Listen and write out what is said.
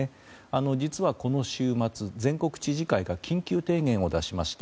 実は、この週末、全国知事会が緊急提言を出しました。